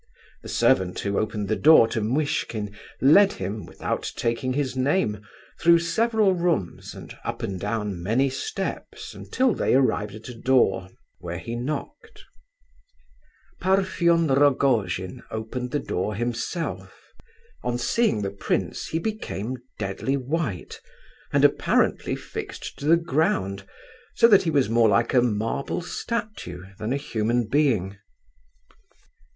The servant who opened the door to Muishkin led him, without taking his name, through several rooms and up and down many steps until they arrived at a door, where he knocked. Parfen Rogojin opened the door himself. On seeing the prince he became deadly white, and apparently fixed to the ground, so that he was more like a marble statue than a human being.